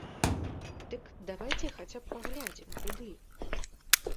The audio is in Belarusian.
Дык давайце хаця б паглядзім, куды.